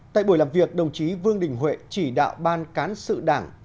tại buổi làm việc đồng chí vương đình huệ chỉ đạo ban cán sự đảng